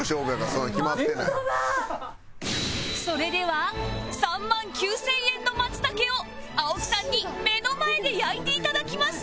それでは３万９０００円の松茸を青木さんに目の前で焼いていただきます